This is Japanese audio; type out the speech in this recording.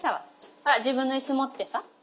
ほら自分の椅子持ってさ。